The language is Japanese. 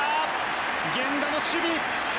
源田の守備！